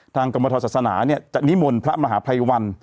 กรมทรศาสนาจะนิมนต์พระมหาภัยวัน